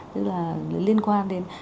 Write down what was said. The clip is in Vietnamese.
thế là liên quan đến